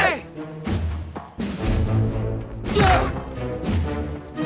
mau lagi apa enggak